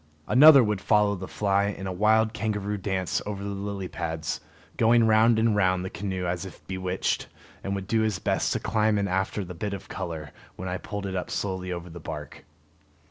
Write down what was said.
Another would follow the fly in a wild kangaroo dance over the lily pads, going round and round the canoe as if bewitched, and would do his best to climb in after the bit of color when I pulled it up slowly over the bark.